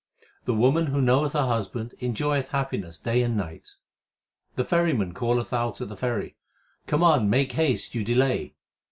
The woman who knoweth her husband enjoyeth happi ness day 1 and night. The ferryman calleth out at the ferry, Come on, make haste ; you delay.